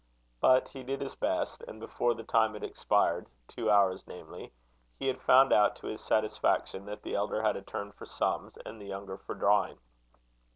But he did his best; and before the time had expired two hours, namely, he had found out, to his satisfaction, that the elder had a turn for sums, and the younger for drawing.